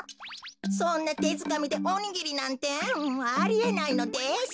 そんなてづかみでおにぎりなんてありえないのです。